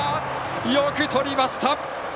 よくとりました！